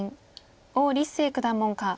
王立誠九段門下。